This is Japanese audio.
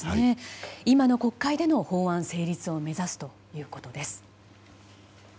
今の国会での法案成立を目指すということです。